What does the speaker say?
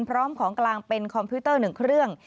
พร้อมของกลางเป็นคอมพิวเตอร์๑เครื่อง